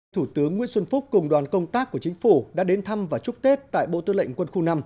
thủ tướng nguyễn xuân phúc cùng đoàn công tác của chính phủ đã đến thăm và chúc tết tại bộ tư lệnh quân khu năm